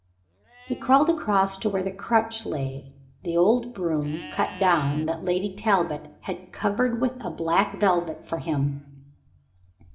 He crawled across to where the crutch lay the old broom, cut down, that Lady Talbot had covered with black velvet for him.